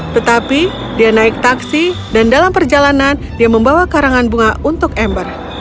tetapi dia naik taksi dan dalam perjalanan dia membawa karangan bunga untuk ember